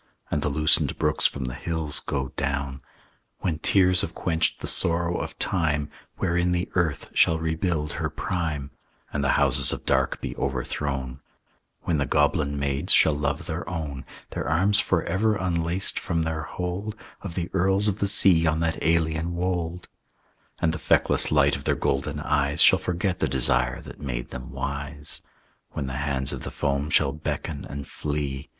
And the loosened brooks from the hills go down, When tears have quenched the sorrow of time, Wherein the earth shall rebuild her prime, And the houses of dark be overthrown; When the goblin maids shall love their own, Their arms forever unlaced from their hold Of the earls of the sea on that alien wold, And the feckless light of their golden eyes Shall forget the desire that made them wise; When the hands of the foam shall beckon and flee.